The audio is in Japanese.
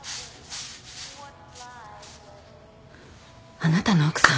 あなたの奥さん。